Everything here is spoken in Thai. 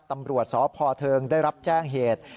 ตำรวจสพเทิงได้รับแจ้งเหตุ